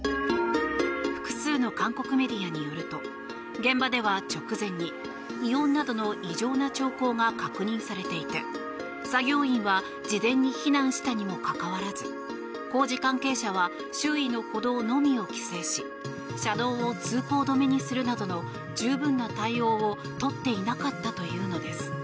複数の韓国メディアによると現場では直前に異音などの異常な兆候が確認されていて作業員は事前に避難したにもかかわらず工事関係者は周囲の歩道のみを規制し車道を通行止めにするなどの十分な対応を取っていなかったというのです。